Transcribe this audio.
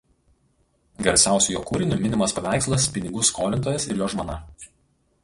Garsiausiu jo kūriniu minimas paveikslas „Pinigų skolintojas ir jo žmona“.